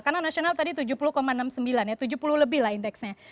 karena nasional tadi tujuh puluh enam puluh sembilan ya tujuh puluh lebih lah indeksnya